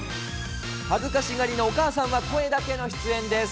恥ずかしがりのお母さんは声だけの出演です。